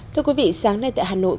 thưa quý vị sáng nay tại hà nội